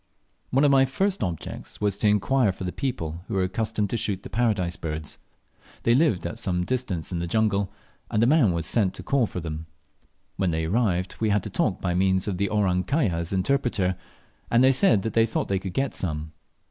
One of my first objects was to inquire for the people who are accustomed to shoot the Paradise birds. They lived at some distance in the jungle, and a man was sent to call them. When they arrived, we had a talk by means of the "Orang kaya" as interpreter, and they said they thought they could get some.